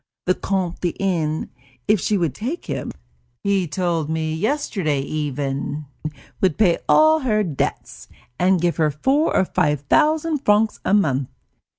The Comte de N., if she would take him, he told me yesterday even, would pay all her debts, and give her four or five thousand francs a month.